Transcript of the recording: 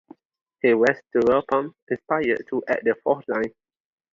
He was thereupon inspired to add the fourth line.